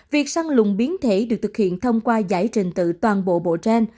việc săn lùng biến thể được thực hiện thông qua giải trình tự toàn bộ bộ gen